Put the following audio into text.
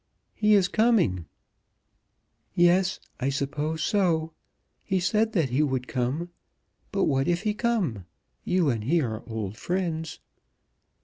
"He is coming." "Yes, I suppose so. He said that he would come. But what if he come? You and he are old friends."